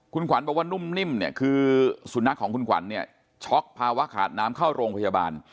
คุณขวัญบอกว่านุ่มนิ่มเนี่ยคือสุนัขของคุณขวัญเนี่ยช็อกภาวะขาดน้ำเข้าโรงพยาบาล